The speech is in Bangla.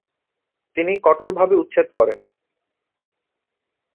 তিনি কঠোরভাবে উচ্ছেদ করেন।